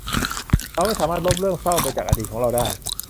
เราไม่สามารถลบเรื่องเศร้าไปจากอดีตของเราได้